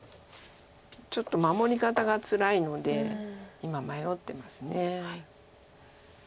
ちょっと守り方がつらいので今迷ってます。